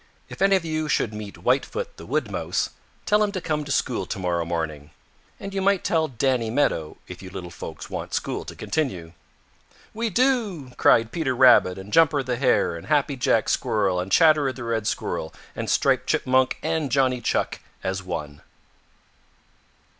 If any of you should meet Whitefoot the Wood Mouse, tell him to come to school to morrow morning. And you might tell Danny Meadow if you little folks want school to continue." "We do!" cried Peter Rabbit and Jumper the Hare and Happy Jack Squirrel and Chatterer the Red Squirrel and Striped Chipmunk and Johnny Chuck as one.